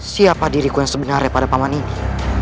siapa diriku yang sebenarnya pada paman ini